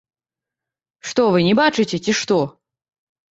Што вы не бачыце, ці што?